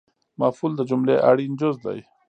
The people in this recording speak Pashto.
مفعول د جملې اړین جز دئ